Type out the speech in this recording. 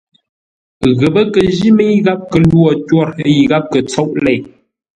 Ghəpə́ kə jí mə́i gháp kə lwo twôr yi gháp kə tsóʼ lei.